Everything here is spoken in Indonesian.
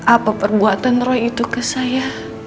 apa perbuatan roy itu ke saya